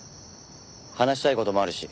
話したい事もあるし。